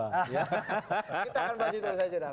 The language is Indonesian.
kita akan baca itu saja dah